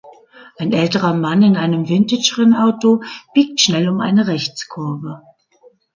Ein älterer Mann in einem Vintage-Rennauto biegt schnell um eine Rechtskurve.